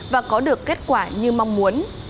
và có được kết quả như mong muốn